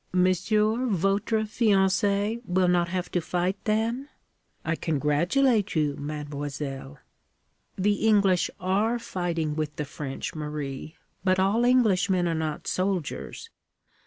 Monsieur votre fiancé will not have to fight, then? I congratulate you, mademoiselle.' 'The English are fighting with the French, Marie. But all Englishmen are not soldiers.